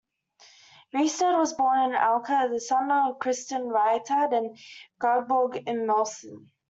Reistad was born in Aker; the son of Christen Reistad and Gudborg Imerslun.